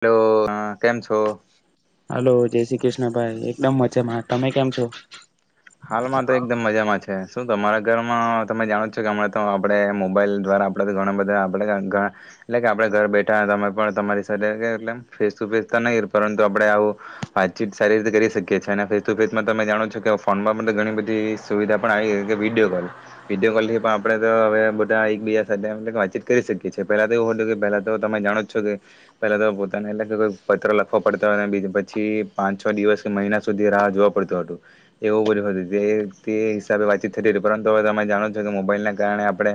Hello હા કેમ છો? હાલો જય શ્રી કૃષ્ણ ભાઈ એકદમ મજામાં, તમે કેમ છો? હાલમાં તો એકદમ મજામાં છે. શું તમારા ઘરમાં તમે જાણો છો કે હમણાં તો આપણે મોબાઈલ દ્વારા આપણે તો ઘણા બધા આપણેણા એટલે કે આપણે ઘર બેઠા તમે પણ તમારી સાથે એકદમ ફેસ ટુ ફેસ તો નહીં પરંતુ આપણે આવું વાતચીત સારી રીતે કરી શકીએ છીએ અને ફેસ ટુ ફેસમાં તમે જાણો છો કે ફોનમાં ઘણી બધી સુવિધા પણ આવી કે વિડીયો કોલ વિડીયો કોલ થી પણ આપડે તો હવે બધા એક બીજા સાથે વાતચીત કરી શકીએ છીએ પેહલા તો એવું હતું કે પેલા તો તમે જાણો જ છો કે પેલા તો પોતાને એટલેઈ પત્ર લખવા પડતા હો પછી પાંચ છ દિવસ કે મહિના સુધી રાહ જોવ પડતું હતું. એવું બધું હતું તે હિસાબે વાતચીત થતી ર હતી પરંતુ હવે તમે જાણો છો કે મોબાઈલના કારણે આપણે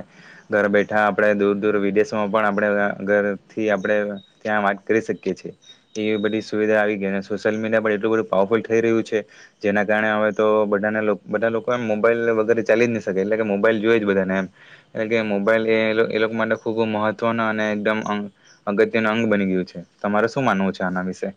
ઘર બેઠા આપણે દૂર દૂર વિદેશોમાં પણ આપણે ઘરથી આપણે ત્યાં વાત કરી શકીએ છીએ. તે બધી સુવિધા આવી ગઈ સોશિયલ મીડિયા પણ એટલું બધું પાવરફુલ થઈ રહ્યું છે. જેના કારણે હવે તો બધાને બધા લોકો એમ મોબાઈલ વગેરે ચાલી જ નહી શકે એટલે કે મોબાઈલ જોય જ બધાને એમ કારણ કે મોબાઈલ એ એ લોકો માટે ખુબ મહત્વનો અને એકદમ અ અગત્ય ન અંગ બની ગયું છે. તમારે શું માનવું છે આના વિશે.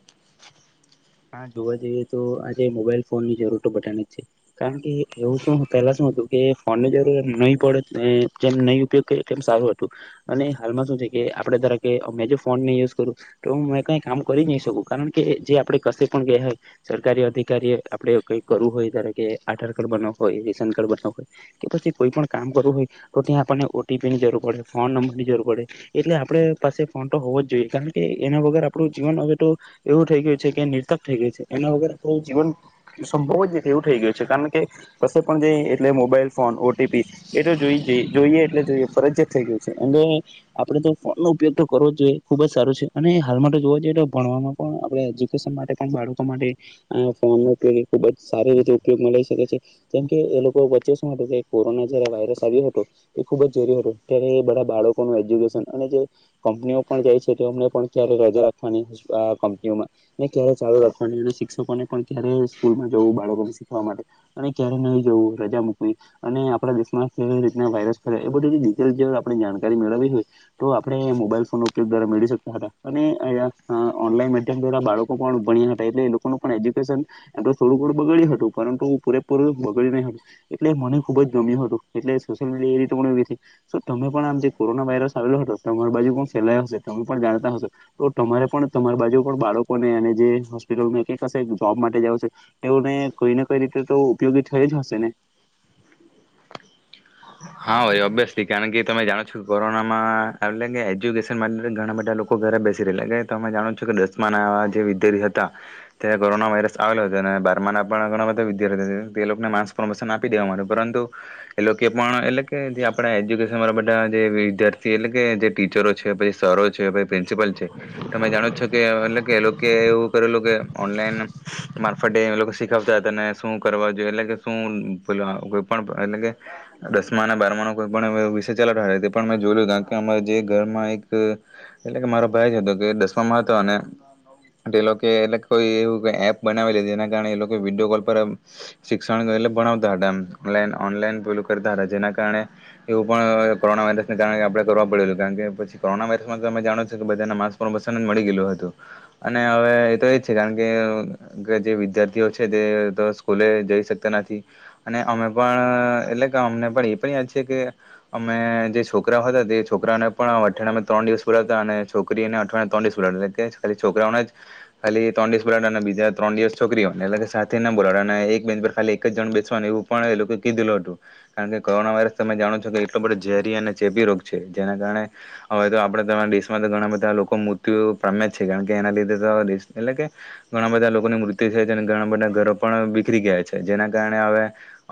હા જોવા જઈએ તો આજે મોબાઈલ ફોન ની જરૂર તો બધાનેજ છે કારણ કે એવું શું પહેલા શું હતું કે ફોનની જરૂર નહી પડે જેમ નહી ઉપયોગ કરીએ તેમ સારું હતું અને હાલમાં શું છે કે આપડ ધાર કે મેં જો ફોનને યુઝ કરું તો હું મે કઈ કામ કરી નહી શકું કારણ કે જે આપણે કસે પણ ગે હય સરકારી અધિકારી એ આપડે કઈક કરવું હોય ધાર કે આધાર કાર્ડ બનાવો હોય રેશન કાર્ડ બનાવું હોય કે પછી કોઈ પણ કામ કરવું હોય તો ત્યાં આપણને ઓટીપી ની જરૂર પડે ફોન નંબર ની જરૂર પડે એટલે આપડ પાસે ફોન તો હોવો જ જોઈએ કારણ કે એના વગર આપડું જીવન હવે તો એવું થઈ ગયું [inaudible] નિર્થક થઈ ગયું છે એના વગર આપણું જીવન સંભવ જ નથી એવું થઈ ગયું છે કારણ કે કશે પણ જઈ એટલે મોબાઈલ ફોન ઓટીપી એ તો જોઈ જોઈએ એટલે જોઈએ ફરજિયાત થઈ ગયું છે અને આપણેે તો ફોન નો ઉપયોગ તો કરવો જ જોઈએ ખુબ જ સારો છે અને હાલ માટે જોવા જઈએ તો ભણવામાં પણ આપણે એજ્યુ ભવિષ્ય માટે બાળકો માટે આ ફોન ઉપયોગ ખુબ જ સારી રીતે ઉપયોગમાં લઈ શકે છે કેમ કે એ લોકો વચ્ચે શું હતું કે કોરોના જયારે વાયરસ આવ્યો હતો એ ખુબ ઝેરી હતો ત્યારે એ બધા બાળકોનું એજ્યુકેશન અને જે કંપનીઓ પણ જાય છે તેમને પણ ક્યારે રજા રાખવાની કંનીઓમાં ક્યારે ચાલુ રાખવાની અને શિક્ષકોને પણ ક્યારે સ્કૂલમાં જવું બાળકોમાં શીખવા માટે અને ક્યારે નહીં જવું રજા મૂકવી અને આપણા દેશમાં કેવી રીતના વાયરસ ફેલા એ બધી ડીટેલ આપણે જાણકારી મેળવવી હોય તો આપણે મોબાઈલ ફોન નો ઉપયોગ દ્વારા મેળવી શકતા હતા અને અ ઓનલાઈન માધ્યમ દ્વારા બાળકો [unintelligible] ભાણિયા હતા એટલે એ લોકોનું પણ એજ્યુકેશન એમ તો થોડું ઘણુ બગડ્યું હતું પરંતુ પૂરેપૂરું બગડ્યું નહી હતું એટલે મને ખુબ જ ગમ્યું હતું એટલે સોશિયલ મીડિયા એ રી એવી તમે પણ આમ જે કોરોના વાયરસ આવેલો હતો તમારી બાજુ પણ ફેલાયો હશે તમે પણ જાણતા હશો તો તમારે પણ તમારી બાજુ પણ બાળ લોકોને અને જે હોસ્પિટલ એક જોબ માટે [unintelligible] એને કઈને કઈ રીતે તો ઉપયોગી થઈ જ હશે ને. હા ભાઈ ઓબ્વિયસલી કારણ કે તમે જાણો છો કે કોરોનામાં એટલે કે એજ્યુકેશન માટે ઘણા બધા લોકો ઘરે બેસી રહે, તમે જાણો છો કે દસમા ના જે વિદ્યાર્થી હતા તે કોરોના વાયરસ આવેલો હતો અને બારમા ના પણ ઘણા બધા વિદ્યાર્થી તે લોકોને માસ પરમોશન આપી દેવાનું પરંતુ એ લોકો વાણા એલેક કે જે આપણે એજુકેશ- તમારા બધા જે વિદ્યાર્થી એટલે કે જે ટીચરો છે, પછી સરો છે પ્રિન્સીપલ છે તમે જાણો છો કે એ લોકે એ લોકે એવું કરેલું કે ઓનલાઈન મારફતે શીખવતા ને શું કરવા જોઈએ એટલે કે શું કોઈ પણ એટલે કે દસમા અને બારમા ન કોઈ પણ વિષય ચાલવ પણ મેં જોયું ત કે અમા જે ઘરમાં એક એટલે કે મારો ભાઈ હતો કે દસમામાં હતો અને તે એટલે કોઈ એવું એપ બનાવેલી તી જેના કારણે એ લોકો વિડીયો કોલ પર શિક્ષણ એટલે ભણાવતા હતા ઓનલાઈન જેના કારણે એવું પણ કોરોના વાયરસને કારણે આપણે કરવા પડેલું કારણ કે પછી કોરોના વાયરસમાં તમે જાણો છો કે, બધાના માસ પ્રમોશન જ મળી ગયલું હતું અને હવે એતો એજ છે કારણ કે જે વિદ્યાર્થીઓ છે તે સ્કૂલે જઈ શકતા નથી અને અમે પણ એટલે તો અમને પણ એ પણ યાદ છે કે અમે જે છોકરાઓ હતાં તે છોકરાને પણ આમ અઠવાડિયામાં ત્રણ દિવસ પુરાવતા અને છોકરીઓને અઠવાડિયામાં ત્રણ દિવસ બુલાવતા એટલે કે, જ ખાલી છોકરાઓને જ ખાલી ત્રણ દિવસ બુલાવતા અને બીજા ત્રણ દિવસ છોકરીઓને એટલે કે સાથે ના બોલાવતા અને એક બેંચ પર ખાલી એક જ જણ બેસવાનું એવું પણ એ લોકોએ કીધેલું હતું. કારણ કે કોરોના વાયરસ તમે જાણો છો કે એટલો બધો ઝેરી અને ચેપી રોગ છે. જેના કારણે હવે તો આપણે તમારા દેશમાં તો ઘણા બધાં લોકો મૃત્યુ પામ્યા જ છે. કારણ કે એના લીધે તો દેશ એટલે કે ઘણા બધાં લોકોની મૃત્યુ થઈ તીને અને ઘણા બધાં ઘરો પણ બીખરી ગયા છે જેના કારણે હવે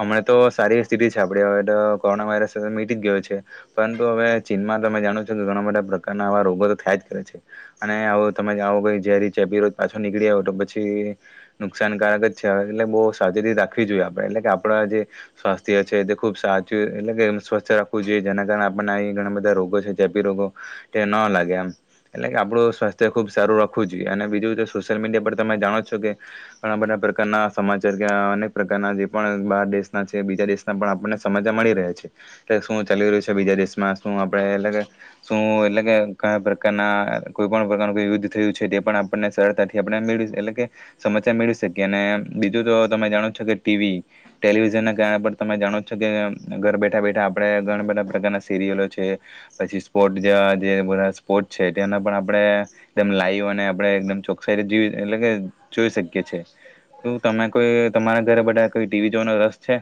અમે તો સારી સ્થિતિ છે આપણી હવે તો કોરોના વાયરસ મીટી જ ગયો છે., પરંતુ હવે ચીનમાં તમે જાણો છો કે ઘણા બધાં પ્રકારના આવા રોગો તો થયા જ કરે છે. અને આવો તમે આવો કોઈ ઝેરી ચેપી રોગ પાછો નીકળી આવે તો પછી નુકસાનકારક જ છે, એટલે બહુ સાવચેતી રાખવી જોઈએ આપણે એટલે કે આપણા જે સ્વાસ્ થયો છે તે ખૂબ સાચું એટલે કે એને સ્વસ્થ રાખવું જોઈએ. જેના કારણે આપણને અ ઘણા બધા રોગો છે ચેપી રોગો તે નો લાગે એમ એટલે કે આપણું સ્વાસ્થ્ય ખુબ સારું રાખવું જોઈએ, અને બીજું કે સોશિયલ મીડિયા પર તમે જાણો છો કે ઘણા બધા પ્રકારના સમાચાર કે અનેક પ્રકારના જે પણ બાર દેશના છે બીજા દેશ ના પણ આપણને સમાચાર મળી રહયા છે, કે શું ચાલી રહ્યું છે બીજા દેશમાં શું આપણે એટલે કે શું એટલે કે કયા પ્રકારના કોઈ પણ પ્રકારનું યુદ્ધ થયું છે, તે પણ આપણને સરળતાથી આપણે મેળવી એટલે કે સમાચાર મેળવી શકીએ અને બીજું તો તમે જાણો જ છો કે ટીવી ટેલિવિઝનના કારણે પણ તમે જાણો જ છો કે ઘર બેઠા બેઠા આપણે ઘણા બધાં પ્રકારના સિરિયલો છે, પછી સ્પોર્ટ જેવા જે બધા સ્પોર્ટ છે તેના પણ આપણે એકદમ લાઈવ અને આપણે એકદમ ચોકસાઈથી જીવી એટલે કે જોઈ શકીએ છીએ. શું તમે કોઈ તમારા ઘરે બધા કોઈ ટીવી જોવાનો રસ છે?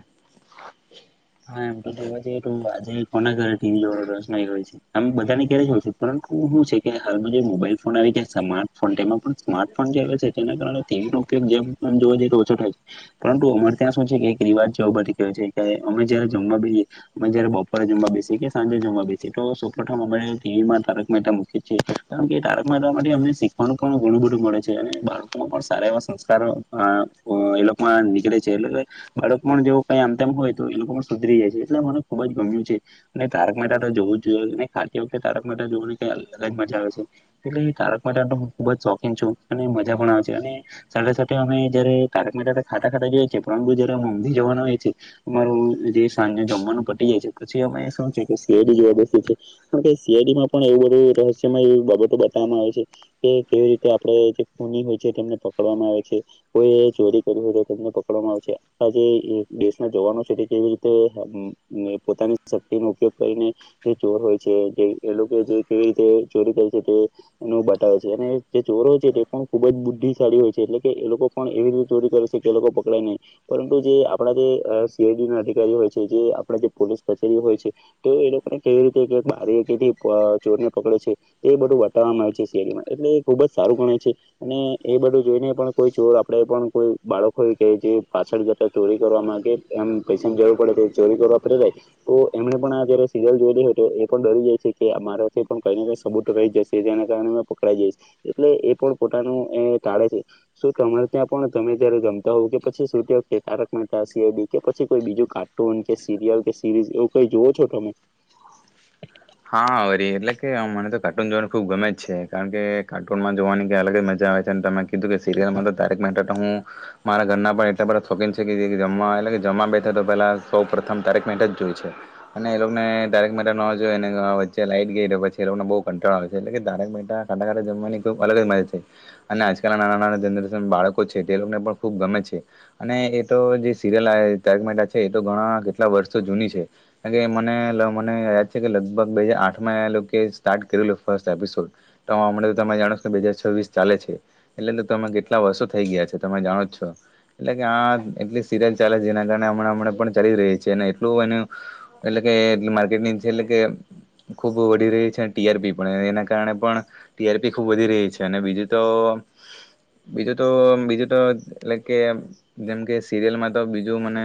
હા એમ તો જોવા જઈએ તો આજે કોના ઘરે ટીવી જોવાનો રસ નઈ હોય છે. આમ બધાને ક્યારેક હોય છે, પરંતુ હું શું છે કે હાલમાં જે મોબાઈલ ફોન આવી ગયા સ્માર્ટ ફોન તેમાં પણ સ્માર્ટ ફોન જે આવ્યા છે તેના કારણે ટીવી નો ઉપયોગ જેમ પન જોવા જઈએ તો ઓછો થાય છે, પરંતુ અમારે ત્યાં શું છે કે એક રિવાજ જેવો બધી ગયો છે કે હવે અમે જયારે જમવા બેહીએ અમે જયારે બપોરે જમવા બેસીએ કે સાંજે જમવા બેસીએ તો સૌપથમ અમે ટીવીમાં તારક મહેતા મૂકીએ છીએ. કારણ કે એ તારક મહેતામાંથી અમને શીખવાનું પણ ઘણું બધું મળે છે, અને બાળકોમાં પણ સારા એવા સંસ્કારો અ એ લોકમાં નીકળે છે. એટલે કે બાળક પણ જોવ કઈ આમ તેમ હોય તો એ લોકો પણ સુધરી જાય છે એટલે મને ખુબ જ ગમ્યું છે અને તારક મહેતા તો જોવું જ જોઈએ ને ખાતી વખતે તારક મહેતા જોવાની કઈ અલગ જ મજા હોય છે, એટલે તારક મહેતાનો હું ખુબ જ શોખીન છું અને મજા પણ આવે છે અને સાથે-સાથે અમે જયારે તારક મહેતા ખાતા ખાતા જોઈએ છીએ પરંતુ જયારે ઊંઘી જવાના હોય છે. અમારું જે સાંજે જમવાનું પટી જાય છે પછી અમે શું છે કે સી આઈ ડી જોવા બેસીએ છીએ. શું કે સી આઈ ડીમાં પણ એવું બધું રહસ્યમાં એવી બાબતો બતાવવામાં આવે છે કે કેવી રીતે આપણે જે ખૂની હોય છે તેમને પકડવામાં આવે છે. કોઈએ ચોરી કરી હોય તો તેમને પકડવામાં આવે છે આ જેે એ દેશના જવાનો છે તે કેવી રીતે પોતાની શક્તિનો ઉપયોગ કરીને જે ચોર હોય છે, જે એ લોકો જે કેવી રીતે ચોરી કરે છે તેનો બતાવે છે અને જે ચોર હોય છે તે પણ ખુબ જ બુદ્ધિશાળી હોય છે એટલે કે એ લોકો પણ એવી રીતે ચોરી કરે છે કે એ લોકો પકડાય નહીં, પરંતુ જે આપણા જે અ સી આઈ ડીના અધિકારી હોય છે. જે આપણા જે પોલીસ કચેરી હોય છે તે એ લોકોને કેવી રીતે કે બારે કે થી ચોર ને પકડે છે. તે બધું બતાવવામાં આવે છે સી આઈ ડીમાં એટલે એ ખુબ જ સારું ગણાય છે અને એ બધું જોઈને પણ કોઈ ચોર આપણેે પણ કોઈ બાળક હોય કે જે પાછળ જતા ચોરી કરવા માંગે એમ પૈસાની જરૂર પડે તો ચોરી કરવા પ્રેરાય તો એમણે પણ આ જ્યારે સીરયલ જોઈલી હોય તો એ પણ ડરી જાય છે કે મારાથી પણ કઈ ને કઈ સબૂત તો રહી જ જશે જેના કારણે મેં પકડાઈ જઈશ, એટલે એ પણ પોતાનું એ ટાળે છે. શું તમારે ત્યાં પણ તમે જયારે જમતા હોવ કે પછી સૂતી વખતે Tarak Mehta, C I D કે પછી કોઈ બીજું કાર્ટૂન કે સિરિયલ કે સિરીઝ એવું કંઈ જોવો છો તમે? હા વરી એટલે કે મને તો કાર્ટૂન જોવાનું ખૂબ ગમે જ છે. કારણ કે કાર્ટૂનમાં જોવાની કાઈ અલગ જ મજા આવે છે અને તમે કીધું કે સિરિયલમાં તો તારક મહેતા તો હું મારા ઘરના પણ એટલા બધાં શોખીન છે કે એ કે જમવા એટલે કે જમવા બેઠા તો પેલા સૌ પ્રથમ તારક મહેતા જ જોવે છે, અને એ લોકોને તારક મહેતાનો અવાજ વચ્ચે લાઈટ ગઈ તો પછી એ લોકોને બઉ કંટાળો આવે છે એટલે કે તારક મહેતા ખાતા ખાતા જમવાની તો અલગજ મજા છે અને આજકાલ નાના નાના જનરેશન બાળકો છે તે લોકોને પણ ખૂબ ગમે છે અને એ તો જે સિરિયલ તારક મહેતા છે, એ તો ઘણા કેટલા વર્ષો જૂની છે કારણ કે મને લ મને છે કે લગભગ બે હજાર આઠમાં એ લોકોએ સ્ટાર્ટ કરેલું ફર્સ્ટ એપિસોડ તો હમણાં તો તમે જાણો છો બે હજાર છવ્વીસ ચાલે છે એટલે તો તમે કેટલા વર્ષો થઈ ગયા છે તમે જાણો છો, એટલે કે આ એટલી સિરિયલ ચાલે છે જેના કારણે હમણા હમણાં પણ ચાલી રહી છે ને એટલું એને એટલે કે એટલુ માર્કેટની જેટલે કે ખૂબ વધી રહી છે ટીઆરપી પણ એના કારણે પણ ટીઆરપી ખૂબ વધી રહી છે અને બીજું તો બીજું તો બીજું તો એટલે કે જેમકે સીરિયલમાં તો બીજું મને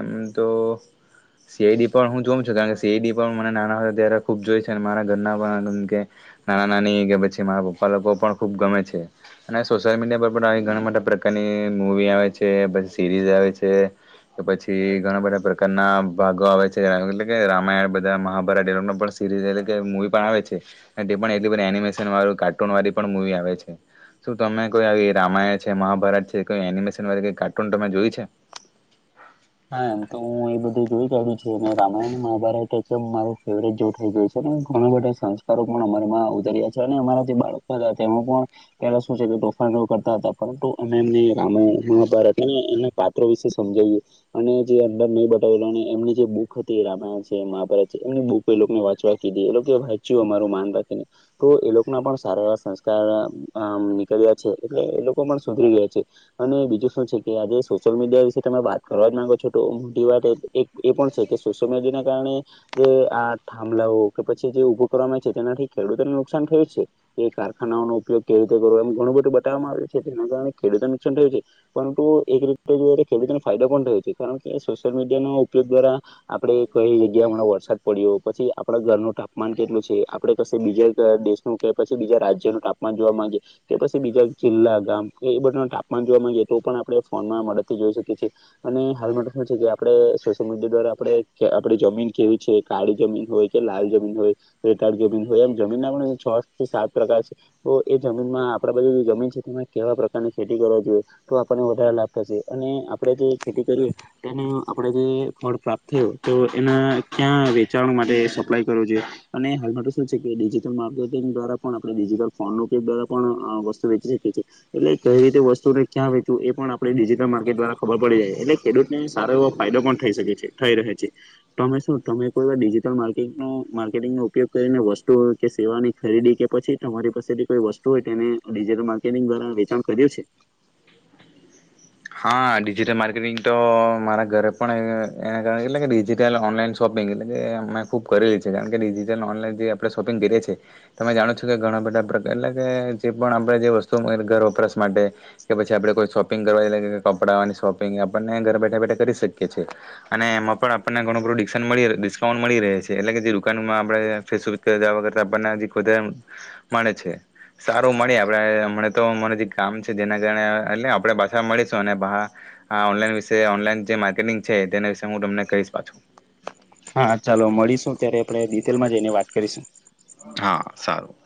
એમ તો સી આઈ ડી પણ હું જોઉ છું કારણ કે સી આઈ ડી પણ મને નાના હતા ત્યારે ખુબ જોય છે મારા ઘરના પણ કે નાના નાની કે પછી મારા પપ્પા લોકો પણ ખુબ ગમે છે અને સોશિયલ મીડિયા પર પણ આવી ઘણા બધા પ્રકારની મૂવી આવે છે પછી સીરીઝ આવે છે કે પછી ઘણા બધા પ્રકારના ભાગો આવે છે એટલે કે રામાયણ મહાભારત એ લોકનો પણ સીરીઝ એટલે મુવી પણ આવે છે તે પણ એટલી બધી એનિમેશન વાળું કાર્ટૂન વાળી પણ મુવી આવે છે શું તમે કોઈ આવી રામાયણ છે મહાભારત છે કોઈ એનિમેશન વાળી કઈ કાર્ટૂન તમે જોઈ છે? હા એમ તો હું અહી બધું જોઈ કાઢ્યું છે, ને રામાયણ મહાભારત એકદમ મારો ફેવરેટ જેવું થઈ ગયું છે ઘણા બધા સંસ્કારો પણ અમારામાં ઉતર્યા છે અને અમારા જે બાળકો [inaudible] તેમનુ પણ પેલા શું છે કે તોફાનો કરતા હતા પરંતુ અમે એમને રામાયણ મહાભારત અને એમના પાત્રો વિશે સમજાયવું. અને જે અંદર નહી બતાવેલો અને એમની જે બુક હતી રામાયણ છે મહાભારત છે એમની બુક એ લોકોને વાંચવા કીધી એ લોકો વાંચ્યું અમારું માન રાખીને તો એ લોકોના પણ સારા એવા સંસ્કાર અ નીકળ્યા છે એટલે એ લોકો પણ સુધરી ગયા છે અને બીજું શું છે કે આજે સોશિયલ મીડિયા વિશે તમે વાત. કરવા જ માંગો છો તો મોટી વાત એક એ પણ છે કે સોશિયલ મીડિયાને કારણે જે આ થાંભલાઓ કે પછી જે ઉભું કરવામાં છે તેનાથી ખેડૂતોને નુકસાન થયું જ છે કે કારખાનાઓનો ઉપયોગ કેવી રીતે કરવો એમ ઘણું બધું બતાવામાં આવે છે તેના કારણે ખેડૂતોને નુકસાન થયું છે પરંતુ એક રીતે જોઇયે તો ખેડૂતોને ફાયદો પણ થયો છે કારણ કે સોશિયલ મીડિયાનો ઉપયોગ દ્વારા આપડે કઈ જગ્યામાં વરસાદ પડ્યો પછી આપણા ઘરનું તાપમાન કેટલું છે આપડે કસે બીજા દેશનું કે પછી બીજા રાજ્યનું તાપમાન જોવા માંગીએ કે પછી બીજા જિલ્લા ગામ કે એ બધા તાપમાન જોવા માંગીએ તો પણ આપણે ફોનમાં મદદથી જોઈ શકીએ છીએ. અને હાલમાં તો શું છે કે આપડે સોશિયલ મીડિયા દ્વારા આપેડે આપડી જમીન કેવી છે કાળી જમીન હોય કે લાલ જમીન હોય રેતાળ જમીન હોય એમ જમીનના પણ છ થી સાત પ્રકાર છે તો એ જમીનમાં આપડા બાજુ જમીન છે તેમાં કેવા પ્રકારની ખેતી કરવા જોઈએ તો આપણને વધારે લાભ થશે અને આપ આપણે જે ખેતી કરીએ તેને આપણે જે ફળ પ્રાપ્ત થયું તો એના ક્યાં વેચાણ માટે સપ્લાય કરવું જોઈએ અને હાલમાં તો શું છે કે ડિજિટલ માર્કેટિંગ દ્વારા પણ આપણે ડિજિટલ ફોનનો કે દ્વારા પણ અ વસ્તુ વેચી શકીએ છીએ. એટલે કઈ રીતે વસ્તુ ને ક્યાં વેચવું એ પણ આપણે ડિજિટલ માર્કેટ દ્વારા ખબર પડી જાય એટલે ખેડૂતને સારો એવો ફાયદો પણ થઈ શકે છે થઈ રહે છે તમે શું તમે કોઈ ડિજટલ માર્કેટિંગનોો ઉપયોગ કરીને વસ્તુ કે સેવાની ખરીદી કે પછી તમારી પાસેથી કોઈ વસ્તુ હોય તેને ડિજટલ માર્કેટિંગ દ્વારા વેચાણ કર્યું છે હા ડિજિટલ માર્કેટિંગ તો મારા ઘરે પણ એના કારણે એટલે કે ડિજિટલ ઓનલાઈન શોપિંગ એટલે કે મેં ખુબ કરેલી છે કારણ કે ડિજિટલ ઓનલાઈન જે આપણે શોપિંગ કરીએ છીએ તમે જાણો છો કે ઘણા બધા પ્રકાર એટલે કે જે પણ આપણેે જે વસ્તુ ઘર વપરાસ માટે કે પછી આપડણે કોઈ શોપિંગ કરવા એ કપડાની શોપિંગ આપણને ઘરે બેઠા બેઠા કરી શકીએ છીએ અને એમાં પણ આપણને ઘણું બું ડિકશન મળી ડિસ્કાઉન્ટ મળી રહે છે એટલે કે જે દુકાનમાં આપણે ફેસબુ જવા કરતા આપણને હ ખા મળે છે સારું મળે આપણે હમ તો અમા જે કામ છે જેના કારણે એટ આપણે પાછા મળે અને પાહા આ ઓનલાઇન વિશે ઓનલાઇન જે માર્કેટિંગ છે તેના વિશે હું તમને કહીશ પાછું. હા ચાલો મળીશું ત્યારે આપણે ડિટેલમાં જઈને વાત કરીશું. હા સારું.